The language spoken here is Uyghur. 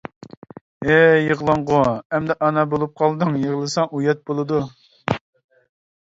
-ھەي يىغلاڭغۇ، ئەمدى ئانا بولۇپ قالدىڭ، يىغلىساڭ ئۇيات بولىدۇ.